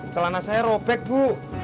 celana saya robek bu